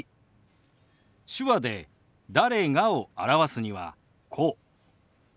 手話で「誰が」を表すにはこう。